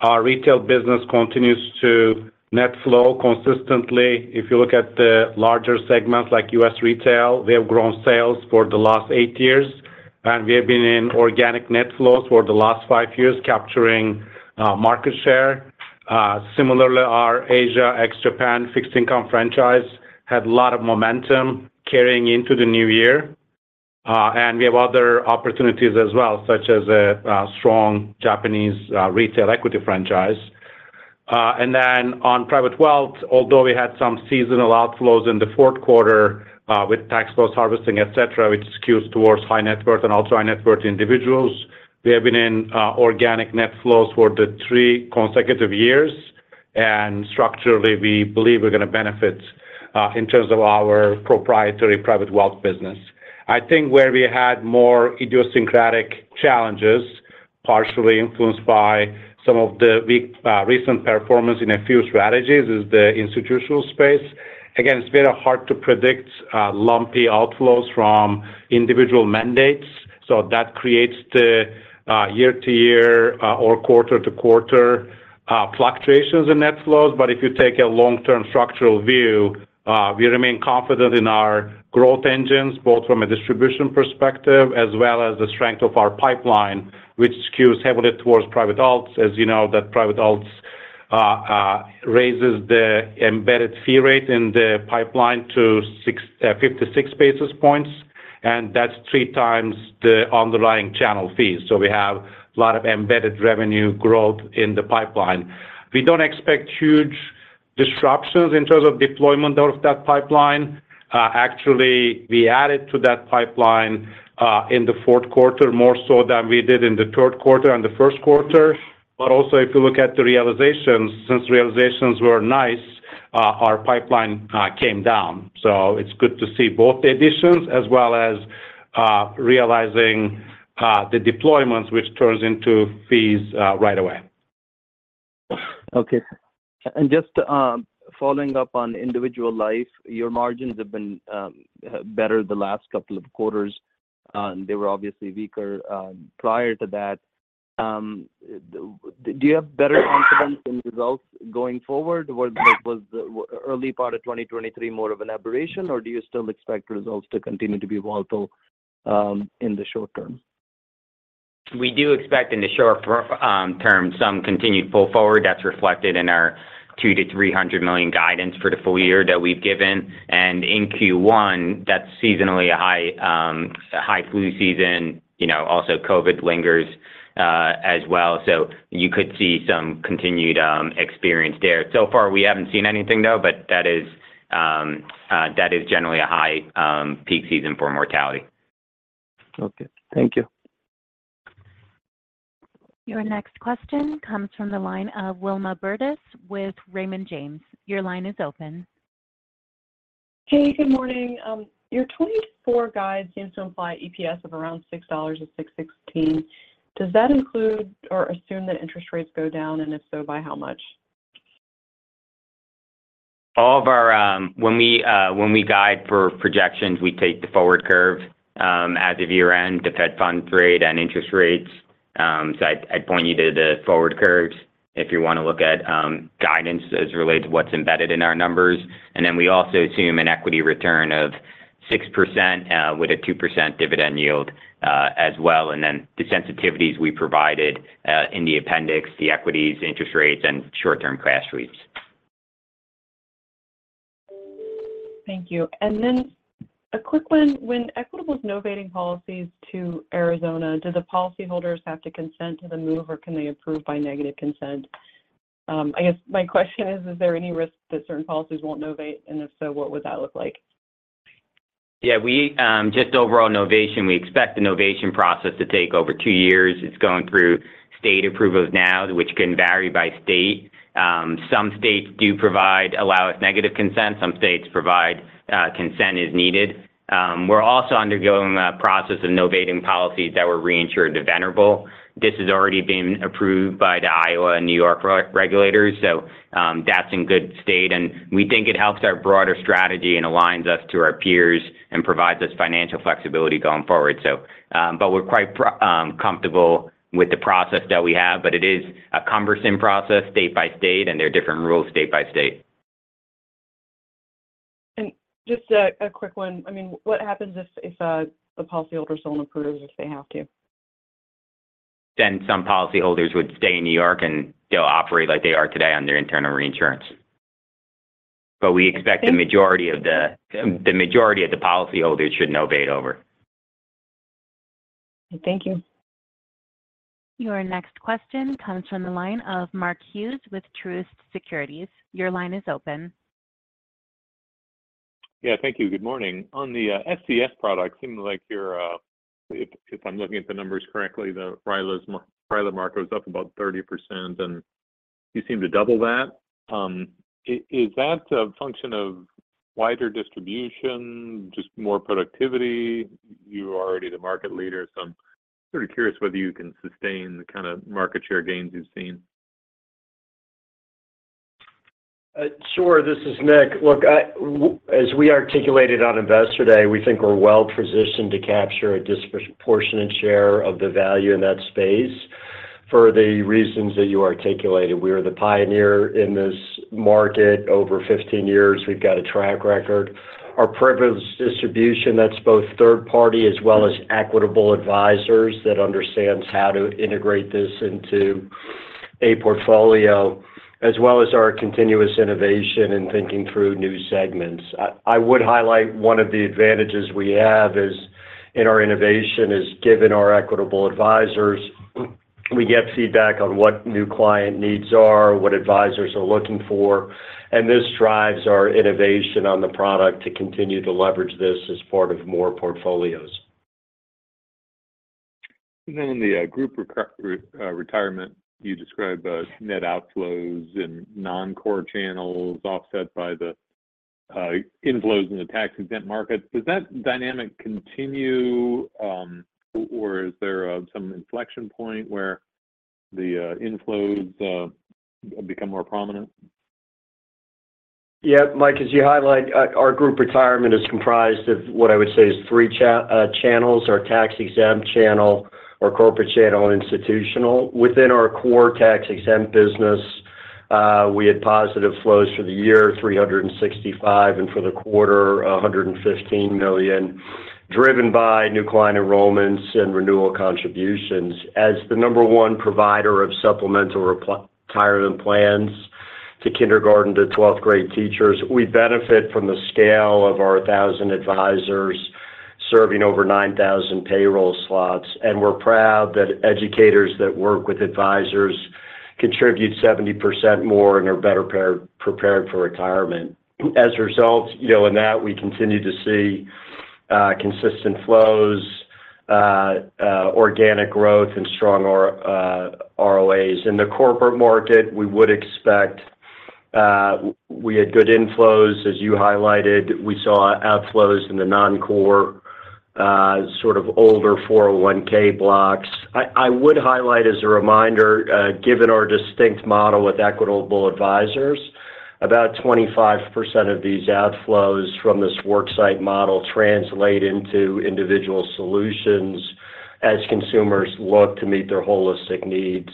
S5: our Retail business continues to net flow consistently. If you look at the larger segments like U.S. Retail, we have grown sales for the last eight years, and we have been in organic net flows for the last five years, capturing market share. Similarly, our Asia ex-Japan fixed income franchise had a lot of momentum carrying into the new year. And we have other opportunities as well, such as a strong Japanese Retail equity franchise. And then on Private Wealth, although we had some seasonal outflows in the fourth quarter, with tax loss harvesting, et cetera, which skews towards high net worth and also high net worth individuals, we have been in organic net flows for the three consecutive years, and structurally, we believe we're going to benefit in terms of our proprietary Private Wealth business. I think where we had more idiosyncratic challenges, partially influenced by some of the weak recent performance in a few strategies, is the Institutional space. Again, it's very hard to predict lumpy outflows from individual mandates, so that creates the year-to-year or quarter-to-quarter fluctuations in net flows. But if you take a long-term structural view, we remain confident in our growth engines, both from a distribution perspective as well as the strength of our pipeline, which skews heavily towards private alts. As you know, that private alts raises the embedded fee rate in the pipeline to 56 basis points, and that's three times the underlying channel fees. So we have a lot of embedded revenue growth in the pipeline. We don't expect huge disruptions in terms of deployment of that pipeline. Actually, we added to that pipeline in the fourth quarter, more so than we did in the third quarter and the first quarter. But also, if you look at the realizations, since realizations were nice, our pipeline came down. So it's good to see both additions as well as realizing the deployments, which turns into fees right away.
S12: Okay. And just, following up on individual life, your margins have been better the last couple of quarters, and they were obviously weaker prior to that. Do you have better confidence in results going forward? Was the early part of 2023 more of an aberration, or do you still expect results to continue to be volatile in the short term?
S6: We do expect in the short term, some continued pull forward. That's reflected in our $200 million-$300 million guidance for the full year that we've given. In Q1, that's seasonally a high, a high flu season, you know, also COVID lingers, as well. So you could see some continued experience there. So far we haven't seen anything, though, but that is, that is generally a high, peak season for mortality.
S12: Okay. Thank you....
S1: Your next question comes from the line of Wilma Burdis with Raymond James. Your line is open.
S13: Hey, good morning. Your 2024 guide seems to imply EPS of around $6 and 6.16. Does that include or assume that interest rates go down, and if so, by how much?
S6: All of our, when we guide for projections, we take the forward curve as of year-end, the Fed funds rate and interest rates. So I'd point you to the forward curves if you want to look at guidance as it relates to what's embedded in our numbers. And then we also assume an equity return of 6% with a 2% dividend yield as well. And then the sensitivities we provided in the appendix, the equities, interest rates, and short-term crash rates.
S13: Thank you. And then a quick one: When Equitable is novating policies to Arizona, do the policyholders have to consent to the move, or can they approve by negative consent? I guess my question is, is there any risk that certain policies won't novate? And if so, what would that look like?
S6: Yeah, we just overall novation, we expect the novation process to take over 2 years. It's going through state approvals now, which can vary by state. Some states do provide, allow us negative consent, some states provide consent as needed. We're also undergoing the process of novating policies that were reinsured to Venerable. This has already been approved by the Iowa and New York regulators, so, that's in good state, and we think it helps our broader strategy and aligns us to our peers and provides us financial flexibility going forward. So, but we're quite comfortable with the process that we have, but it is a cumbersome process state by state, and there are different rules state by state.
S13: Just a quick one. I mean, what happens if the policyholders don't approve, or if they have to?
S6: Then some policyholders would stay in New York, and they'll operate like they are today on their internal reinsurance. But we expect the majority of the policyholders should novate over.
S13: Thank you.
S1: Your next question comes from the line of Mark Hughes with Truist Securities. Your line is open.
S14: Yeah, thank you. Good morning. On the SCS product, seemed like your, if I'm looking at the numbers correctly, the RILAs, RILA market was up about 30%, and you seem to double that. Is that a function of wider distribution, just more productivity? You are already the market leader, so I'm pretty curious whether you can sustain the kind of market share gains you've seen.
S4: Sure. This is Nick. Look, as we articulated on Investor Day, we think we're well positioned to capture a disproportionate share of the value in that space for the reasons that you articulated. We are the pioneer in this market. Over 15 years, we've got a track record. Our privileged distribution, that's both third party as well as Equitable Advisors, that understands how to integrate this into a portfolio, as well as our continuous innovation in thinking through new segments. I, I would highlight one of the advantages we have is, in our innovation, given our Equitable Advisors, we get feedback on what new client needs are, what advisors are looking for, and this drives our innovation on the product to continue to leverage this as part of more portfolios.
S14: And then in the Group Retirement, you described the net outflows and non-core channels offset by the inflows in the tax-exempt market. Does that dynamic continue, or is there some inflection point where the inflows become more prominent?
S4: Yeah, Mark, as you highlight, our Group Retirement is comprised of what I would say is three channels, our tax-exempt channel, our corporate channel, and Institutional. Within our core tax-exempt business, we had positive flows for the year, $365 million, and for the quarter, $115 million, driven by new client enrollments and renewal contributions. As the number one provider of supplemental Retirement plans to kindergarten to 12th-grade teachers, we benefit from the scale of our 1,000 advisors serving over 9,000 payroll slots, and we're proud that educators that work with advisors contribute 70% more and are better prepared for Retirement. As a result, you know, in that, we continue to see consistent flows, organic growth, and strong ROAs. In the corporate market, we would expect. We had good inflows, as you highlighted. We saw outflows in the non-core, sort of older 401(k) blocks. I would highlight as a reminder, given our distinct model with Equitable Advisors, about 25% of these outflows from this worksite model translate into individual solutions as consumers look to meet their holistic needs.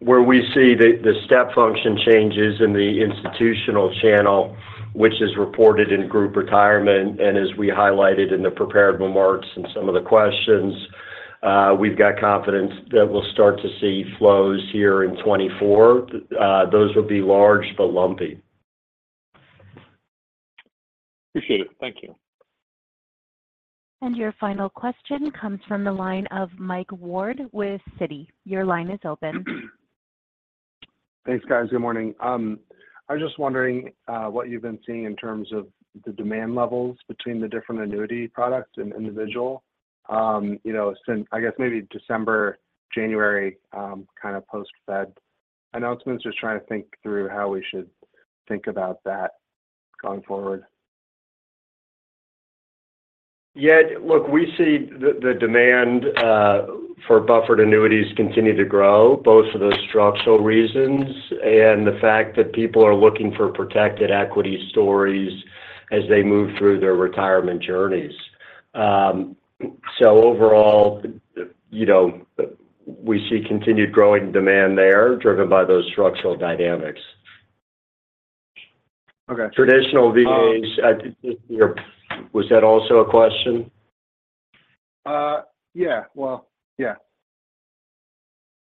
S4: Where we see the step function changes in the Institutional channel, which is reported in Group Retirement, and as we highlighted in the prepared remarks and some of the questions, we've got confidence that we'll start to see flows here in 2024. Those will be large, but lumpy.
S14: Appreciate it. Thank you.
S1: Your final question comes from the line of Mike Ward with Citi. Your line is open....
S15: Thanks, guys. Good morning. I was just wondering what you've been seeing in terms of the demand levels between the different annuity products and individual, you know, since I guess maybe December, January, kind of post-Fed announcements. Just trying to think through how we should think about that going forward.
S4: Yeah, look, we see the demand for buffered annuities continue to grow, both for those structural reasons and the fact that people are looking for protected equity stories as they move through their Retirement journeys. So overall, you know, we see continued growing demand there, driven by those structural dynamics.
S15: Okay.
S4: Traditional VAs, I think your... Was that also a question?
S15: Yeah. Well, yeah.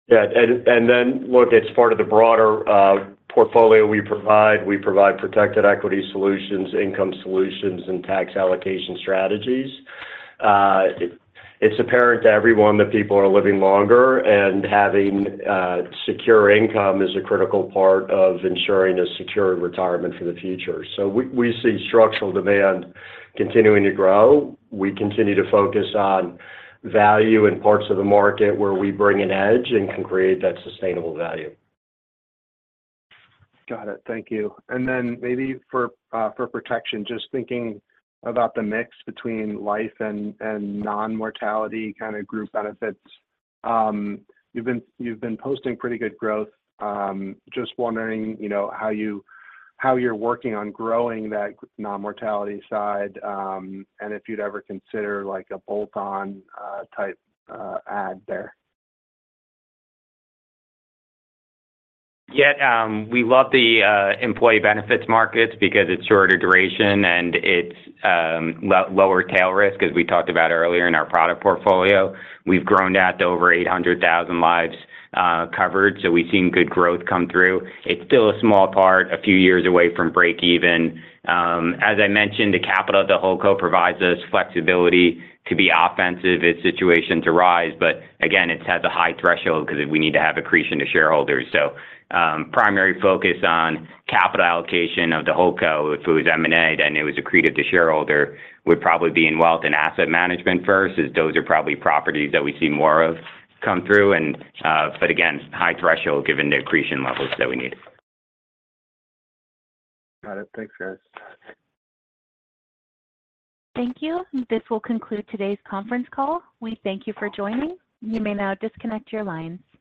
S4: Yeah, and then, look, it's part of the broader portfolio we provide. We provide protected equity solutions, income solutions, and tax allocation strategies. It's apparent to everyone that people are living longer, and having secure income is a critical part of ensuring a secure Retirement for the future. So we see structural demand continuing to grow. We continue to focus on value in parts of the market where we bring an edge and can create that sustainable value.
S15: Got it. Thank you. And then maybe for protection, just thinking about the mix between life and non-mortality kind of group benefits. You've been posting pretty good growth. Just wondering, you know, how you're working on growing that non-mortality side, and if you'd ever consider, like, a bolt-on type add there.
S6: Yeah, we love the employee benefits markets because it's shorter duration, and it's lower tail risk, as we talked about earlier in our product portfolio. We've grown that to over 800,000 lives covered, so we've seen good growth come through. It's still a small part, a few years away from break even. As I mentioned, the capital of the holdco provides us flexibility to be offensive if situations arise. But again, it has a high threshold because we need to have accretion to shareholders. So, primary focus on capital allocation of the holdco; if it was M&A, then it was accreted to shareholder, would probably be in wealth and asset management first, as those are probably properties that we see more of come through. But again, high threshold, given the accretion levels that we need.
S15: Got it. Thanks, guys.
S1: Thank you. This will conclude today's conference call. We thank you for joining. You may now disconnect your lines.